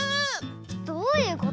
どういうこと？